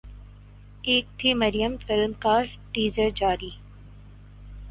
ایک تھی مریم فلم کا ٹیزر جاری